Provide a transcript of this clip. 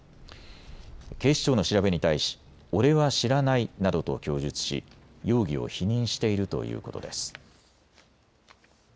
警視庁の調べに対し俺は知らないなどと供述し容疑を否認しているということです。